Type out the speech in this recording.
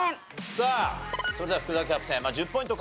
さあそれでは福澤キャプテン１０ポイント